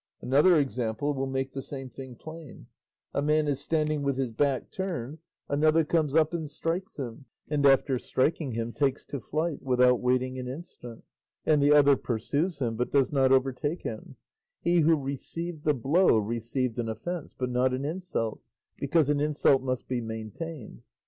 Another example will make the same thing plain: a man is standing with his back turned, another comes up and strikes him, and after striking him takes to flight, without waiting an instant, and the other pursues him but does not overtake him; he who received the blow received an offence, but not an insult, because an insult must be maintained.